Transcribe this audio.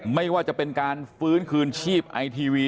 ไม่ว่าจะเป็นการฟื้นคืนชีพไอทีวี